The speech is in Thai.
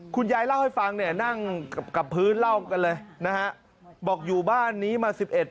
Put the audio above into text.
คุณยายเล่าให้ฟังนั่นกับพื้นเล่ากันเลยบอกอยู่บ้านนี้มา๑๑ปีแล้ว